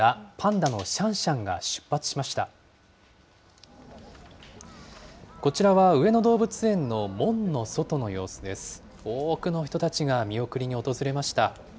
多くの人たちが見送りに訪れました。